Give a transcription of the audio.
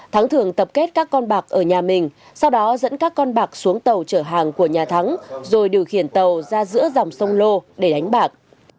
thắng thường tập kết các con bạc ở nhà mình sau đó dẫn các con bạc xuống tàu chở hàng của nhà thắng rồi điều khiển tàu ra giữa dòng sông lô để đánh bạc